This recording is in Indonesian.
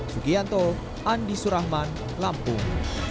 sukianto andi surahman lampung